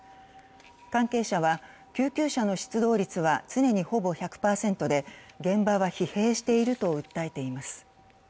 関係者は救急車の出動率はほぼ常に１００％で現場は疲弊していると訴えています。